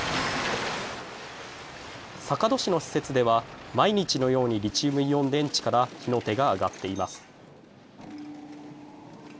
坂戸市の施設では、毎日のようにリチウムイオン電池から火の手が上がっています。